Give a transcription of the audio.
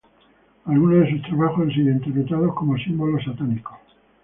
Algunos de sus trabajos han sido interpretados como símbolos satánicos.